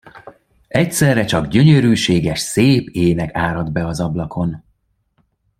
Egyszerre csak gyönyörűséges szép ének áradt be az ablakon.